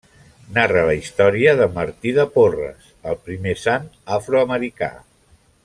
Narra la història de Martí de Porres el primer sant afroamericà.